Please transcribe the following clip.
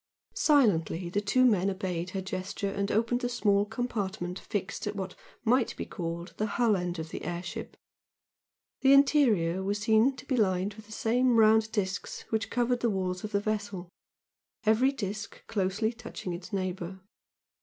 Silently the two men obeyed her gesture and opened the small compartment fixed at what might be called the hull end of the air ship. The interior was seen to be lined with the same round discs which covered the walls of the vessel, every disc closely touching its neighbour.